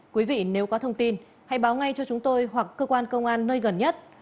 quý vị nếu có thông tin hãy báo ngay cho chúng tôi hoặc cơ quan công an nơi gần nhất